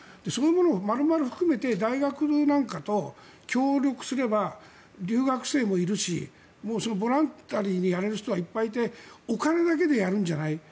そういうものを丸々含めて大学なんかと協力すれば留学生もいるしボランタリーにやれる人はいっぱいいてお金だけでやるんじゃない。